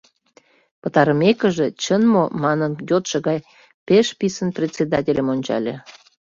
Пытарымекыже, чын мо, манын йодшо гай пеш писын председательым ончале.